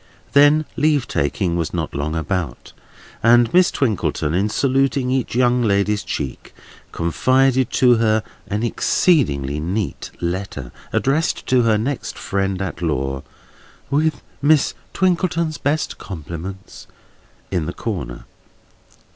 Then leave taking was not long about; and Miss Twinkleton, in saluting each young lady's cheek, confided to her an exceedingly neat letter, addressed to her next friend at law, "with Miss Twinkleton's best compliments" in the corner.